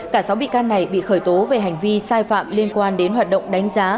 cả sáu bị can này bị khởi tố về hành vi sai phạm liên quan đến hoạt động đánh giá